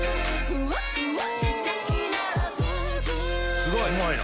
すごいうまいな。